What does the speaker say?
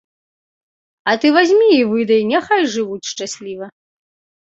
А ты вазьмі і выдай, няхай жывуць шчасліва.